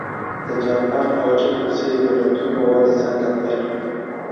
د جاپان او چین په څېر ملتونو وده څنګه پیل کړه.